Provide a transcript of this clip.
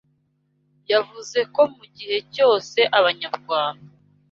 Yavuze ko mu gihe cyose abanyarwanda